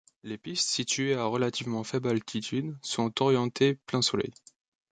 Les pistes, situées à relativement faible altitude, sont orientées plein soleil.